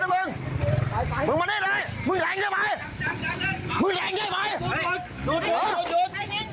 มึงแหลงใช่มั้ยหยุดหยุดหยุด